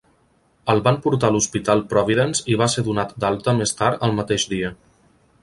El van portar a l'hospital Providence i va ser donat d'alta més tard el mateix dia.